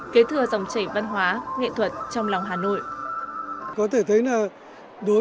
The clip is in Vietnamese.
kế thừa dòng chảy văn hóa nghệ thuật trong lòng hà nội